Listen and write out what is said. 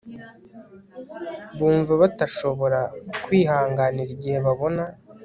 bumva batashobora kwihanganira igihe babona